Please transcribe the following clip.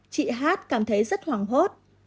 chị h h cảm thấy rất hoảng hốt